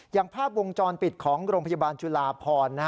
อย่างภาพวงจรปิดของโรงพยาบาลจุลาพร